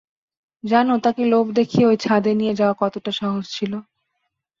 জানো তাকে লোভ দেখিয়ে ওই ছাদে নিয়ে যাওয়া কতোটা সহজ ছিল?